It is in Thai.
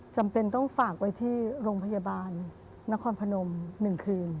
จำเป็นต้องฝากไว้ที่โรงพยาบาลนครพนม๑คืน